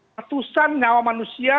ratusan nyawa manusia